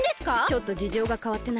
ちょっとじじょうがかわってな。